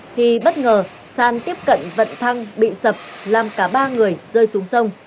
thì bất ngờ san tiếp cận vận thăng bị sập làm cả ba người rơi xuống sông